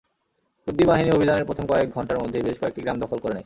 কুর্দি বাহিনী অভিযানের প্রথম কয়েক ঘণ্টার মধ্যেই বেশ কয়েকটি গ্রাম দখল করে নেয়।